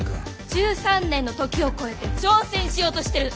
１３年の時を超えて挑戦しようとしてる。